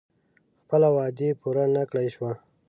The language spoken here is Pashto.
خپله وعده پوره نه کړای شوه.